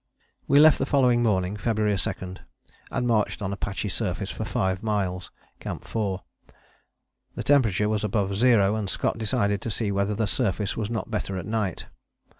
We left the following morning, February 2, and marched on a patchy surface for five miles (Camp 4). The temperature was above zero and Scott decided to see whether the surface was not better at night.